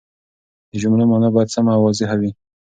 د جملو مانا باید سمه او واضحه وي.